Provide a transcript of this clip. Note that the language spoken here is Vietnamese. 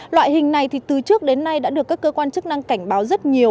loại hình này thì từ trước đến nay đã được các cơ quan chức năng cảnh báo rất nhiều